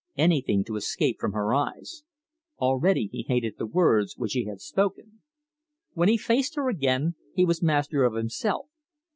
Anything to escape from her eyes. Already he hated the words which he had spoken. When he faced her again he was master of himself.